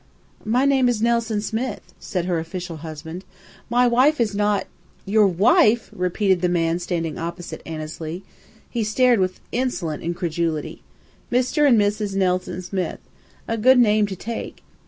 "My name is Nelson Smith," said her official husband. "My wife is not " "Your wife!" repeated the man standing opposite Annesley. He stared with insolent incredulity. "'Mr. and Mrs. Nelson Smith.' A good name to take."